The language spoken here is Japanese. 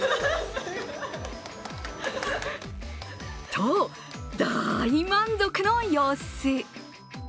と、大満足の様子。